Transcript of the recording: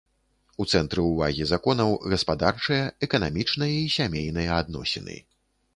У цэнтры ўвагі законаў гаспадарчыя, эканамічныя і сямейныя адносіны.